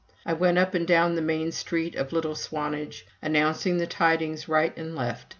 I went up and down the main street of little Swanage, announcing the tidings right and left.